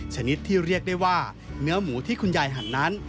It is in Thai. ชนิดที่เรียกได้ว่าเนื้อหมูที่คุณยายหั่นนั้น